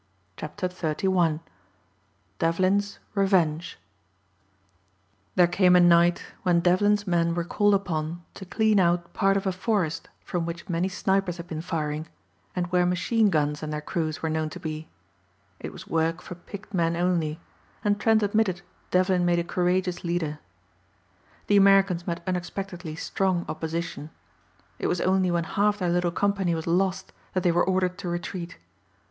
CHAPTER XXXI DEVLIN'S REVENGE THERE came a night when Devlin's men were called upon to clean out part of a forest from which many snipers had been firing, and where machine guns and their crews were known to be. It was work for picked men only and Trent admitted Devlin made a courageous leader. The Americans met unexpectedly strong opposition. It was only when half their little company was lost that they were ordered to retreat.